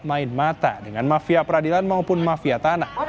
main mata dengan mafia peradilan maupun mafia tanah